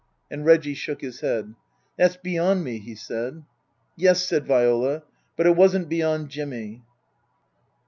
And Reggie shook his head. " That's beyond me," he said. " Yes," said Viola. " But it wasn't beyond Jimmy."